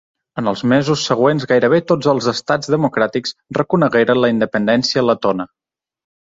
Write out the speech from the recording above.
En els mesos següents gairebé tots els estats democràtics reconegueren la independència letona.